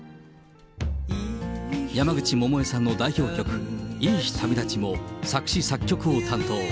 山口百恵さんの代表曲、いい日旅立ちも、作詞作曲を担当。